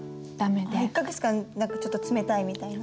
１か月間何かちょっと冷たいみたいな。